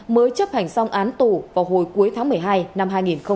mới chấp hành xong án tù vào hồi cuối tháng một mươi hai năm hai nghìn hai mươi